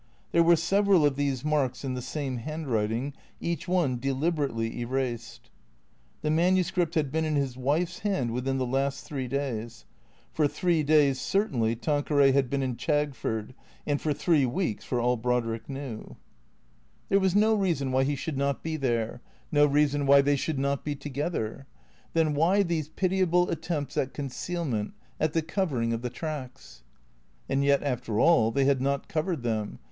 There were several of these marks in the same handwriting, each one deliberately erased. The manuscript had been in his wife's hand within the last three days ; for three days certainly Tanqueray had been in Chag ford, and for three weeks for all Brodrick knew. 490 THE CREATORS There was no reason why he should not be there, no reason why they should not be together. Then why these pitiable at tempts at concealment, at the covering of the tracks? And yet, after all, they had not covered them.